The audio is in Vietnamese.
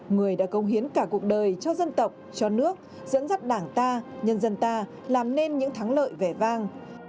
người đã công hiến cả cuộc đời cho dân tộc cho nước dẫn dắt đảng ta nhân dân ta làm nên những thắng lợi vẻ vang